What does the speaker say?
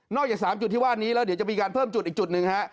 จาก๓จุดที่ว่านี้แล้วเดี๋ยวจะมีการเพิ่มจุดอีกจุดหนึ่งฮะ